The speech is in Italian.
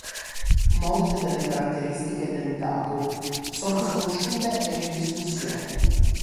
Molte delle caratteristiche del daco sono sconosciute e in discussione.